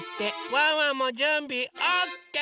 ワンワンもじゅんびオッケー！